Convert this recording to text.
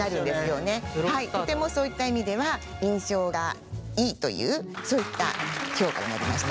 とてもそういった意味では印象がいいというそういった評価になりました。